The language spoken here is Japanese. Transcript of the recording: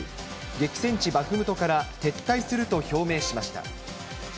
激戦地、バフムトから撤退すると表明しました。